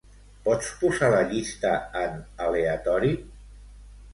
Pots posar la llista en aleatori?